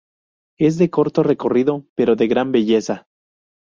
Es de corto recorrido, pero de gran belleza.